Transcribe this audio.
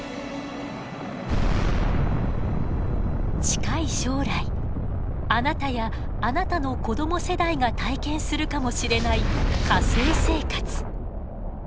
近い将来あなたやあなたの子供世代が体験するかもしれない火星生活。